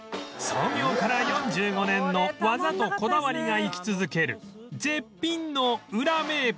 創業から４５年の技とこだわりが生き続ける絶品のウラ名物